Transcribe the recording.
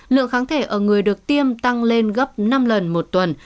lượng kháng thể ở người được tiêm tăng lên gấp năm lần một tuần